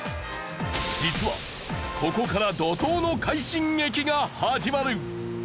実はここから怒濤の快進撃が始まる。